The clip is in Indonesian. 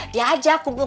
dia ajak kumpul kumpul